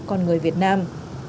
còn người việt nam